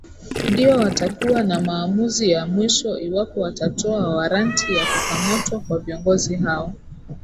ndio watakuwa na maamuzi ya mwisho iwapo watatoa waranti ya kukamatwa kwa viongozi hao